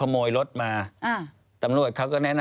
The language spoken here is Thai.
แล้วเขาสร้างเองว่าห้ามเข้าใกล้ลูก